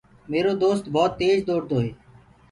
ميرو دوست ڀوت تيج دوڙ دو هي۔